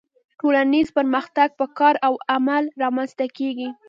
ټولنیز پرمختګ په کار او عمل رامنځته کیږي